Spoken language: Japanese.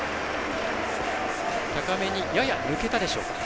高めにやや抜けたでしょうか。